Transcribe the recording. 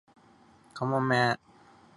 カモメが飛んでいる